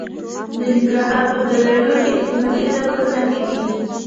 د ننګرهار په دره نور کې د قیمتي ډبرو نښې دي.